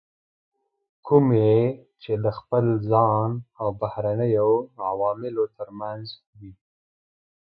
کومې چې د خپل ځان او بهرنیو عواملو ترمنځ وي.